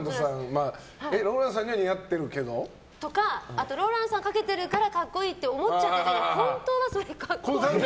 ＲＯＬＡＮＤさんには似合ってるけど？とか、あとＲＯＬＡＮＤさんがかけてるから格好いいって思っちゃってるけど本当はそれ、格好悪い。